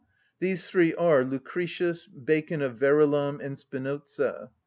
These three are, Lucretius, Bacon of Verulam, and Spinoza.